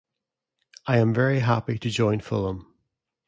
I am very happy to join Fulham.